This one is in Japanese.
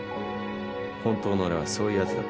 本当の俺はそういうやつだった。